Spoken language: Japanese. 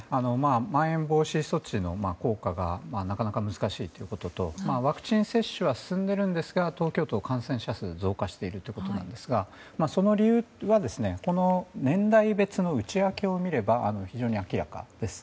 まん延防止措置の効果がなかなか難しいということとワクチン接種は進んでいるんですが東京都は感染者数が増加しているということなんですがその理由は年代別の内訳を見れば非常に明らかです。